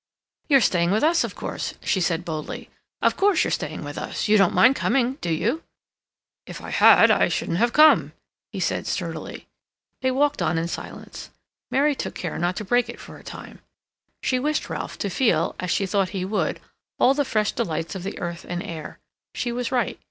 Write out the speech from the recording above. "You are staying with us, of course," she said boldly. "Of course, you're staying with us—you don't mind coming, do you?" "If I had, I shouldn't have come," he said sturdily. They walked on in silence; Mary took care not to break it for a time. She wished Ralph to feel, as she thought he would, all the fresh delights of the earth and air. She was right.